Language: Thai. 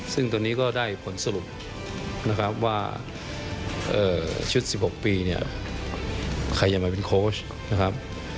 ซึ่งตอนนี้ก็ได้ผลสรุปนะครับว่าชุด๑๖ปีเนี่ยใครจะมาเป็นโค้ชนะครับ